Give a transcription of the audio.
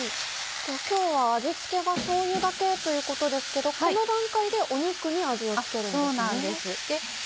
今日は味付けがしょうゆだけということですけどこの段階で肉に味を付けるんですね。